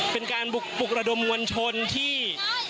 เป็นการบุกปุกระดมวัญชนที่